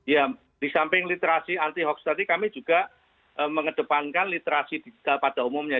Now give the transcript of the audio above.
ya di samping literasi anti hoax tadi kami juga mengedepankan literasi digital pada umumnya